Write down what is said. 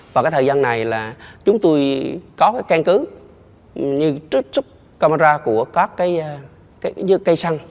và cái thời gian này là chúng tôi có cái căn cứ như trước camera của các cái cây xăng